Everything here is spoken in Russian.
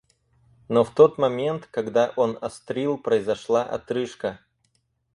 Но в тот момент, когда он острил, произошла отрыжка.